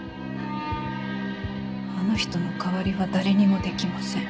あの人の代わりは誰にもできません。